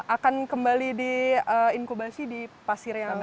akan kembali di inkubasi di pasir yang sana